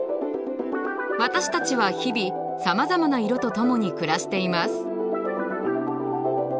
私たちは日々さまざまな色とともに暮らしています。